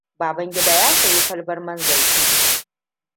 Babangida ya sayi kwalban man zaitun.